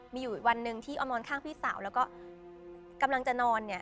มีอยู่วันหนึ่งที่เอานอนข้างพี่สาวแล้วก็กำลังจะนอนเนี่ย